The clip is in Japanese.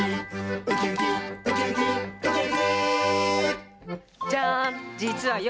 「ウキウキウキウキウキウキ」